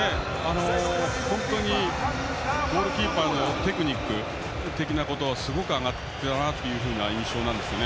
本当に、ゴールキーパーのテクニック的なことはすごく上がったという印象なんですね。